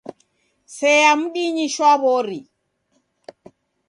Sea mdinyi shwaw'ori!